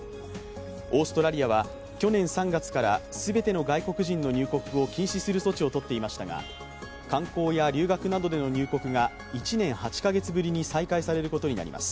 オーストラリアは去年３月から全ての外国人の入国を禁止する措置をとっていましたが観光や留学などでの入国が１年８カ月ぶりに再開されることになります。